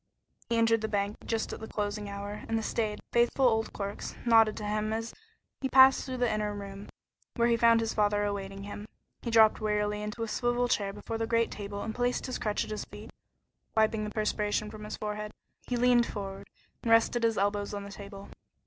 He entered the bank just at the closing hour, and the staid, faithful old clerks nodded to him as he passed through to the inner room, where he found his father awaiting him. He dropped wearily into a swivel chair before the great table and placed his crutch at his feet; wiping the perspiration from his forehead, he leaned forward, and rested his elbows on the table.